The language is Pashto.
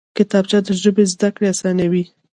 کتابچه د ژبې زده کړه اسانوي